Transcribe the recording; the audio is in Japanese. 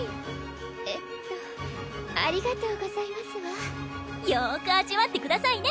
えっとありがとうございますわよく味わってくださいね